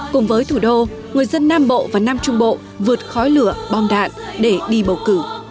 cùng với thủ đô người dân nam bộ và nam trung bộ vượt khói lửa bom đạn để đi bầu cử